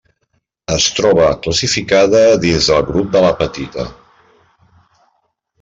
Es troba classificada dins del grup de l'apatita.